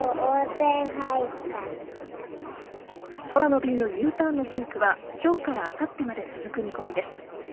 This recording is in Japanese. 空の便のＵターンのピークは今日からあさってまで続く見込みです。